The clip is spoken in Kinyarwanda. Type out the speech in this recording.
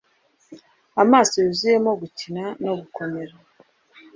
Amaso yuzuyemo gukina no gukomera